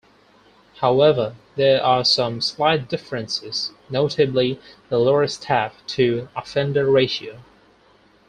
However, there are some slight differences, notably the lower staff to offender ratio.